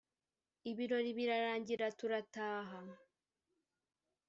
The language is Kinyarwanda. ibirori birarangira turataha